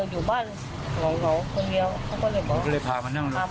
อยู่บ้านเหลาคนเดียวเขาก็เลยพามานั่งรถเที่ยว